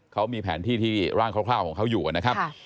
เขามีแผนที่ที่ร่างคร่าวของเขาอยู่นะครับ